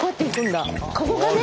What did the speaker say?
ここがね